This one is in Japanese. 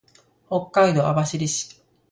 北海道網走市